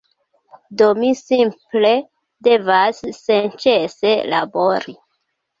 Do mi simple devas senĉese labori.